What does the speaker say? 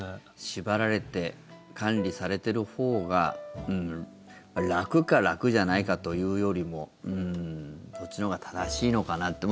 縛られて管理されてるほうが楽か、楽じゃないかというよりもそっちのほうが正しいのかなって